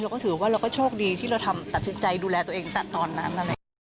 เราก็ถือว่าเราก็โชคดีที่เราทำตัดสินใจดูแลตัวเองตั้งแต่ตอนนั้น